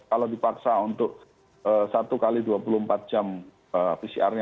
kalau dipaksa untuk satu x dua puluh empat jam pcr nya